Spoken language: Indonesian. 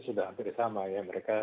sudah hampir sama ya mereka